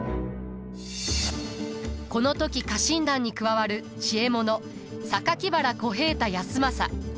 この時家臣団に加わる知恵者原小平太康政。